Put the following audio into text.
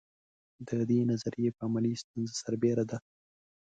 د دې نظریې پر علمي ستونزې سربېره ده.